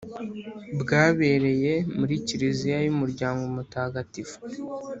bwabereye muri kiriziya y'umuryango mutagatifu.